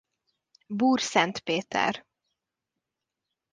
Búr Szent Péter.